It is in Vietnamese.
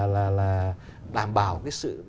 làm bảo cái sự